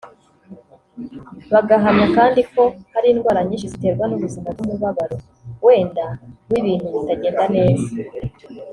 bagahamya kandi ko hari indwara nyinshi ziterwa n’ubuzima bw’umubabaro wenda w’ibintu bitagenda neza